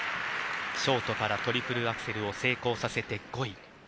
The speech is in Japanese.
ショートからトリプルアクセルを成功させて５位。